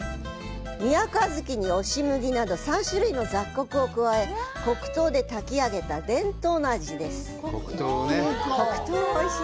宮古小豆に押麦など３種類の雑穀を加え黒糖で炊き上げた伝統の味です。